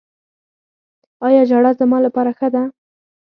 ایا ژړا زما لپاره ښه ده؟